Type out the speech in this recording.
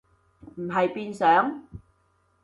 唔係變上？